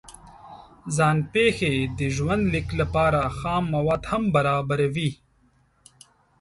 ځان پېښې د ژوند لیک لپاره خام مواد هم برابروي.